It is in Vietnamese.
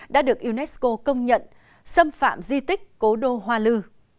đã được unesco công nhận xâm phạm di tích cố đô hoa lư